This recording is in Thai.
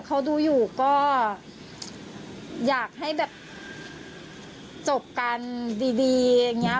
เขาดูอยู่ก็อยากให้แบบจบกันดีอย่างนี้